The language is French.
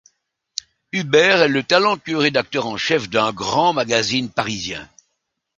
Hubert est le talentueux rédacteur en chef d'un grand magazine parisien.